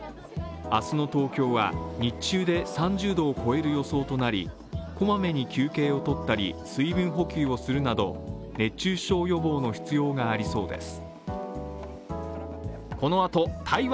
明日の東京は日中で３０度を超える予想となりこまめに休憩を取ったり水分補給をするなど熱中症予防の必要がありそうです。